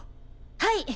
はい。